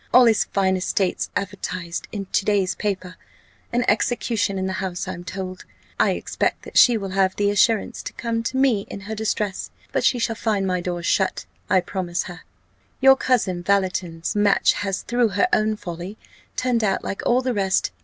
All his fine estates advertised in to day's paper an execution in the House, I'm told. I expect that she will have the assurance to come to me in her distress: but she shall find my doors shut, I promise her. Your cousin Valleton's match has, through her own folly, turned out like all the rest.